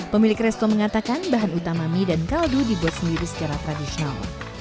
pemilik resto mengatakan bahan utama mie dan kaldu dibuat sendiri secara tradisional